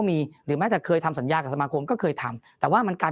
มีหรือแม้แต่เคยทำสัญญากับสมาคมก็เคยทำแต่ว่ามันการ